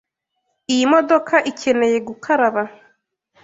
Iyi modoka ikeneye gukaraba.